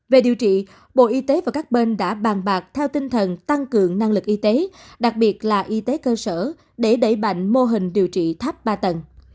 về điều trị bộ y tế và các bên đã bàn bạc theo tinh thần tăng cường năng lực y tế đặc biệt là y tế cơ sở để đẩy mạnh mô hình điều trị tháp ba tầng